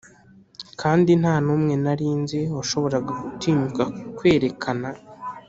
kandi ntanumwe nari nzi washoboraga gutinyuka kwerekana